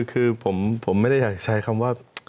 คือผมไม่ได้อยากใช้คำว่า